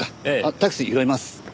タクシー拾います。